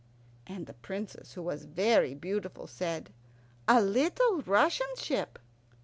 And the Princess, who was very beautiful, said, "A little Russian ship?"